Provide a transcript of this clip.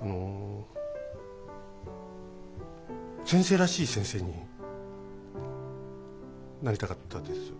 あの先生らしい先生になりたかったです。